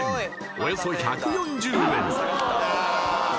およそ１４０円